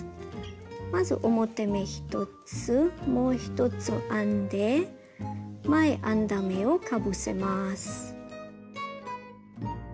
まず表目１つもう一つ編んで前編んだ目をかぶせます。